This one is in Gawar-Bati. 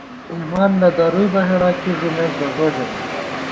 اېمان نہ درُوئی بہ ہېڑا، کی ݫُمېس بہ ݫو ژَمېت